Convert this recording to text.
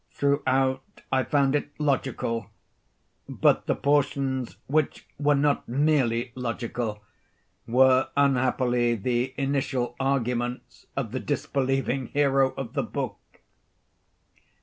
Throughout I found it logical, but the portions which were not merely logical were unhappily the initial arguments of the disbelieving hero of the book.